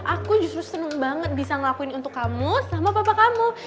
aku justru senang banget bisa ngelakuin untuk kamu sama papa kamu